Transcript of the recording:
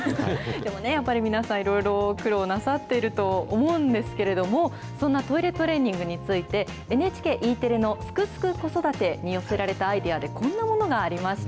でもね、やっぱり皆さんいろいろ苦労なさってると思うんですけれども、そんなトイレトレーニングについて、ＮＨＫＥテレのすくすく子育てに寄せられたアイデアでこんなものがありました。